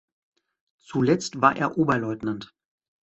Zuletzt war er Oberleutnant.